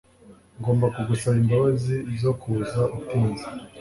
Ngomba kugusaba imbabazi zo kuza utinze.